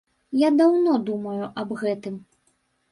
Я даўно думаю аб гэтым.